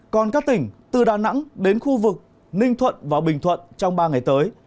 còn các tỉnh từ đà nẵng đến khu vực ninh thuận và bình thuận trong ba ngày tới